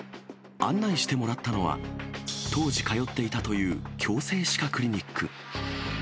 案内してもらったのは、当時通っていたという矯正歯科クリニック。